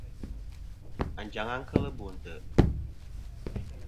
Anjaŋ-a kel Bo ntè'.